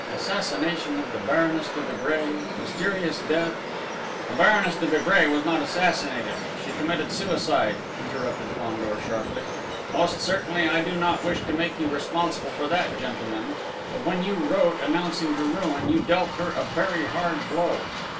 Assassination of the Baroness de Vibray, mysterious death " "The Baroness de Vibray was not assassinated, she committed suicide," interrupted Fandor sharply. "Most certainly, I do not wish to make you responsible for that, gentlemen; but when you wrote, announcing her ruin, you dealt her a very hard blow!"